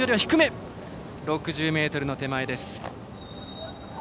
６０ｍの手前です。